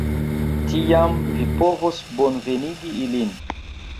Tiam vi povos bonvenigi ilin.